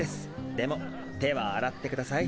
でも手は洗ってください。